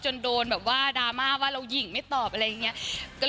โดนแบบว่าดราม่าว่าเราหญิงไม่ตอบอะไรอย่างนี้